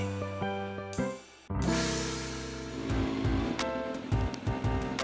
thanks ya mon